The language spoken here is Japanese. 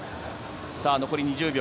残り２０秒。